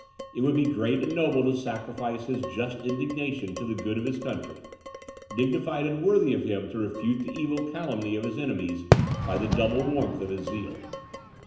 It would be great and noble to sacrifice his just indignation to the good of his country; dignified and worthy of him to refute the evil calumny of his enemies by the double warmth of his zeal.